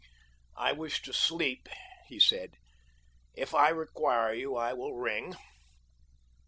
"I wish to sleep," he said. "If I require you I will ring."